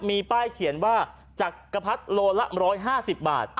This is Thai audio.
มีป้ายเขียนว่าจักรพรรดิโลละ๑๕๐บาท